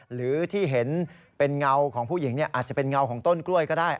หรือที่เห็นเป็นเงาของผู้หญิงอาจจะเป็นเงาของต้นกล้วยก็ได้